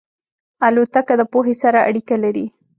الوتکه د پوهې سره اړیکه لري.